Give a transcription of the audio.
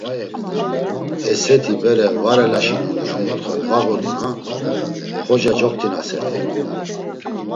Esseti bere varelaşinoni a mutxa dvağoduna, xoca coktinasert̆u.